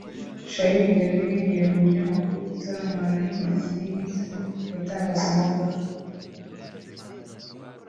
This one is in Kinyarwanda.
Charles Ingabire yari umunyamakuru utaramara n’igihe kinini mu itangazamakuru